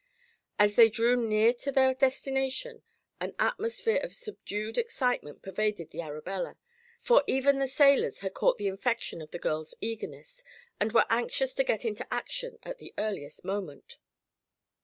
As they drew near to their destination an atmosphere of subdued excitement pervaded the Arabella, for even the sailors had caught the infection of the girls' eagerness and were anxious to get into action at the earliest moment.